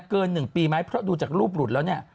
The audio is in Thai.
เกิน๑ปีไหมเพราะดูจากรูปหลุดแล้วเนี่ย